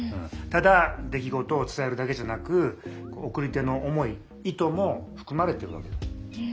ただ出来事を伝えるだけじゃなく送り手の思い意図も含まれてるわけだ。